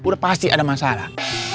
udah pasti ada masalah